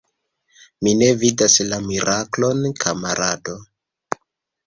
Mi ne vidas la miraklon, kamarado.